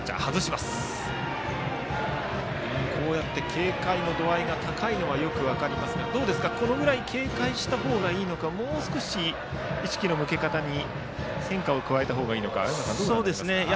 警戒の度合いが高いのはよく分かりますがこのぐらい警戒した方がいいのかもう少し意識の向け方に変化を加えた方がいいんでしょうか。